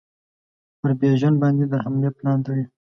پر بیژن باندي د حملې پلان تړي.